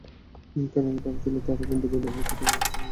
কেননা, তারা ছিল তাঁবু গম্বুজের বহন, খাটানো ও গুটানোর দায়িত্বে নিয়োজিত।